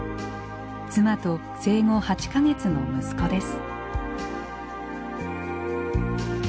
妻と生後８か月の息子です。